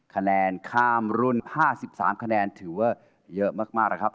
คะแนนข้ามรุ่น๕๓คะแนนถือว่าเยอะมากนะครับ